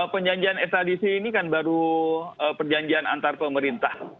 penjanjian extradisi ini kan baru perjanjian antar pemerintah